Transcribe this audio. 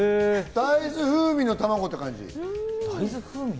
大豆風味の卵って感じ。